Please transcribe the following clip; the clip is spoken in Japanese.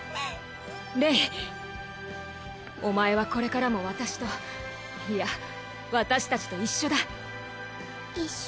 レイお前はこれからも私といや私達と一緒だ一緒？